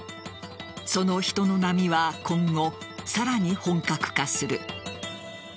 その人の波は今後さらに本格化する。